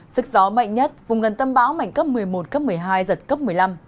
sức gió mạnh nhất vùng gần tâm bão mạnh cấp một mươi một cấp một mươi hai giật cấp một mươi năm